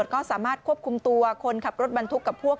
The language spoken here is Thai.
ก็สามารถควบคุมตัวคนขับรถบรรทุกกับพวก